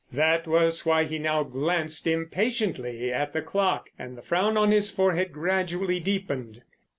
That was why he now glanced impatiently at the clock and the frown on his forehead gradually deepened.